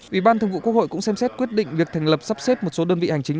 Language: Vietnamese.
ủy ban thường vụ quốc hội cũng xem xét quyết định việc thành lập sắp xếp một số đơn vị hành chính